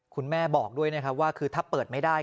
คุณแม่บอกด้วยว่าถ้าเปิดไม่ได้